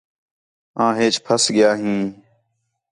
آں ہیچ پھنس ڳِیا ہیں